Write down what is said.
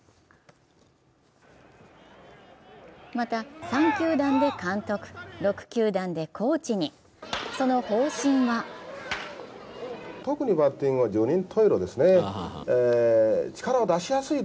また３球団で監督、６球団でコーチにその方針は個性に合わせ、柔軟に。